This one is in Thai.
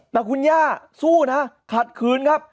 แต่คุณย่าสู้นะขัดขืนครับ